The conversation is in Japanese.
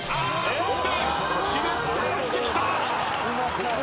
そしてしれっと押してきた！